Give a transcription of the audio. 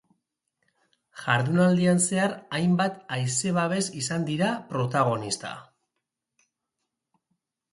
Jardunaldian zehar hainbat haize-babes izan dira protagonista.